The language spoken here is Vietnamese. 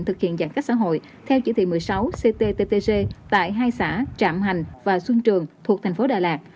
thực hiện giãn cách xã hội theo chỉ thị một mươi sáu cttg tại hai xã trạm hành và xuân trường thuộc thành phố đà lạt